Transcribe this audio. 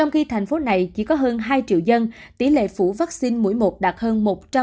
trong khi thành phố này chỉ có hơn hai triệu dân tỷ lệ phủ vaccine mũi một đạt hơn một trăm linh